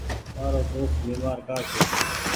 تآرو دوست بيمآر ڪآ ڇي۔